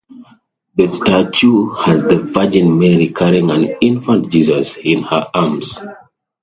The statue has the Virgin Mary carrying an infant Jesus in her arms.